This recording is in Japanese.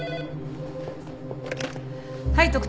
はい特対。